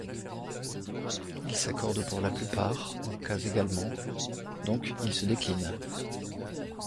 Il s'accordent pour la plupart en cas également, donc ils se déclinent.